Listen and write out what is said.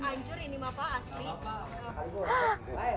ancur ini mah pak asli